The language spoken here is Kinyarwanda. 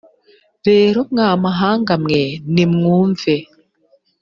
rero mwa mahanga mwe nimwumve